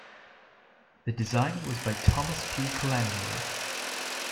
The design was by Thomas P. Colangelo.